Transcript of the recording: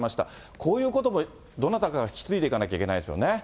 こういうこともどなたかが引き継いでいかなければいけないですよ